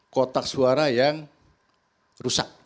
kotak suara yang rusak